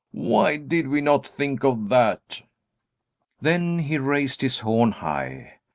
Why did we not think of that?" Then he raised his horn high.